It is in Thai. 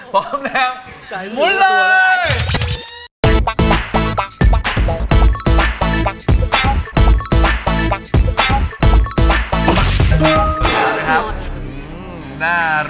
พร้อมแล้วใจมุนเลย